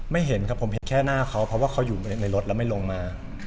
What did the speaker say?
เห็นครับผมเห็นแค่หน้าเขาเพราะว่าเขาอยู่ในรถแล้วไม่ลงมา